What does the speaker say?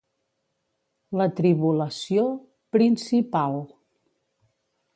La tribulació principal.